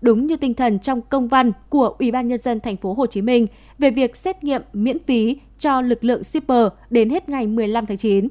đúng như tinh thần trong công văn của ubnd tp hcm về việc xét nghiệm miễn phí cho lực lượng shipper đến hết ngày một mươi năm tháng chín